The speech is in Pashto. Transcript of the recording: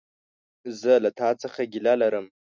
زه له تا څخه ګيله لرم!